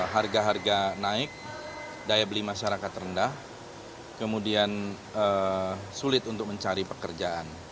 harga harga naik daya beli masyarakat rendah kemudian sulit untuk mencari pekerjaan